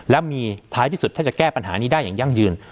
และมีท้ายที่สุดถ้าจะแก้ปัญหานี้ได้อย่างยั่งยืน